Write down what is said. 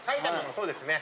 そうですね。